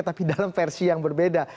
tapi dalam versi yang berbeda